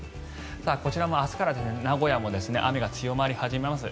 こちらも明日から名古屋も雨が強まり始めます。